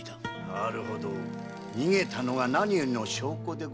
なるほど逃げたのが何よりの証拠でございますな。